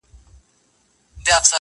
د طوطي له خولې خبري نه وتلې-